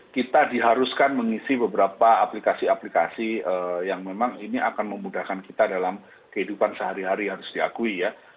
kita diharuskan mengisi beberapa aplikasi aplikasi yang memang ini akan memudahkan kita dalam kehidupan sehari hari harus diakui ya